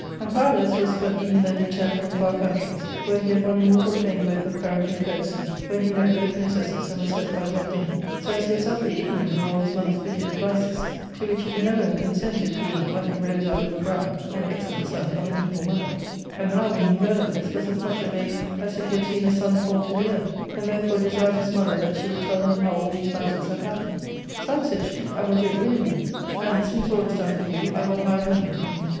Amphialus was but even then returned from far countries, where he had won immortal fame both of courage and courtesy, when he met with the princesses, and was hurt by Zelmane, so as he was utterly ignorant of all his mother's wicked devices, to which he would never have consented, being — ^like a rose out of a briar — an excellent son of an evil mother ; and now, when he heard of this, was as much amazed as if he had seen the sun fall to the earth, and therefore desired his mother that she would tell him how all these matters had happened. " Son," said she, " I will do it willingly, and, since all is done for you, I will hide nothing from you.